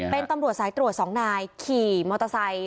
เป็นตำรวจสายตรวจสองนายขี่มอเตอร์ไซค์